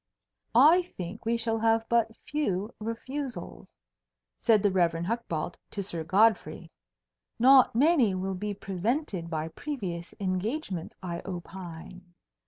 "I think we shall have but few refusals," said the Rev. Hucbald to Sir Godfrey. "Not many will be prevented by previous engagements, I opine."